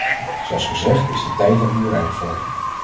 Zoals gezegd is de tijd er nu rijp voor.